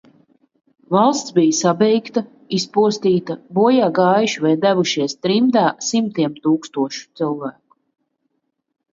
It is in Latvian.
"Valsts bija "sabeigta", izpostīta, bojā gājuši vai devušies trimdā simtiem tūkstošu cilvēku."